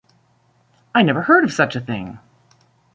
I never heard of such a thing!